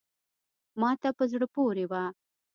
ما ته په زړه پوري وه …